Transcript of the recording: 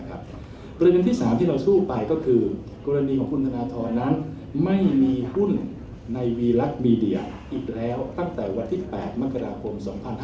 ประเด็นที่๓ที่เราสู้ไปก็คือกรณีของคุณธนทรนั้นไม่มีหุ้นในวีลักษณ์มีเดียอีกแล้วตั้งแต่วันที่๘มกราคม๒๕๕๙